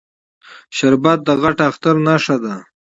شربت د غټ اختر نښه ده